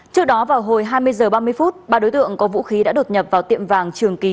trước đó vào hồi hai mươi h ba mươi phút ba đối tượng có vũ khí đã đột nhập vào tiệm vàng trường kỳ